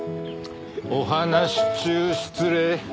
お話し中失礼。